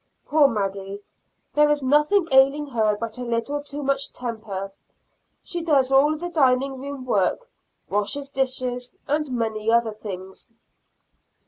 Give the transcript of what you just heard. Poor Maggy! there is nothing ailing her but a little too much temper. She does all the dining room work washes dishes and many other things.